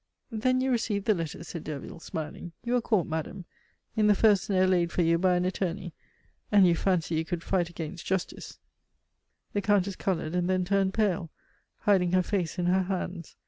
"Then you received the letter," said Derville, smiling. "You are caught, madame, in the first snare laid for you by an attorney, and you fancy you could fight against Justice " The Countess colored, and then turned pale, hiding her face in her hands.